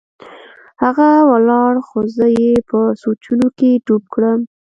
هغه ولاړ خو زه يې په سوچونو کښې ډوب کړم.